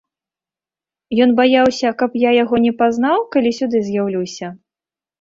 Ён баяўся, каб я яго не пазнаў, калі сюды з'яўлюся?